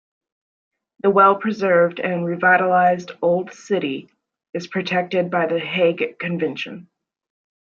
The well-preserved and revitalized Old City is protected by the Hague Convention.